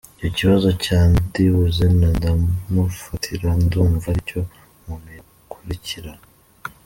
Icyo kibazo cya ndibuze na ndamufatira ndumva aricyo umuntu yakurikirana.